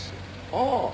ああ！